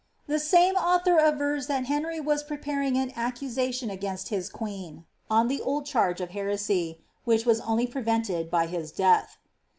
The same author avers that Henry wm preparing an accusation against his queen, on the old charge of heresy, which was only prevented by his death.